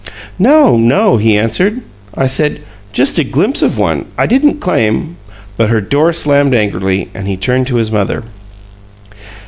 "No, no," he answered. "I said, 'just a glimpse of one.' I didn't claim " But her door slammed angrily; and he turned to his mother.